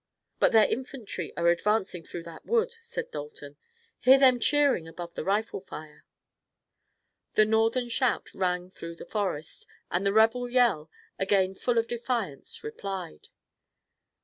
"But their infantry are advancing through that wood," said Dalton. "Hear them cheering above the rifle fire!" The Northern shout rang through the forest, and the rebel yell, again full of defiance, replied.